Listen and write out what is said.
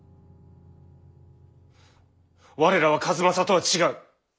我らは数正とは違う。